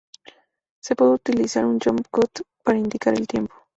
Se puede utilizar un jump cut para indicar el tiempo.